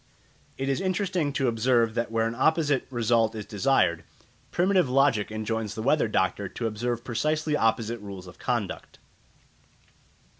It is interesting to observe that where an opposite result is desired, primitive logic enjoins the weather doctor to observe precisely opposite rules of conduct.